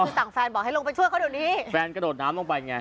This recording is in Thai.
คือสั่งแฟนบอกให้ลงไปช่วยเขาเดี๋ยวนี้แฟนกระโดดน้ำลงไปไง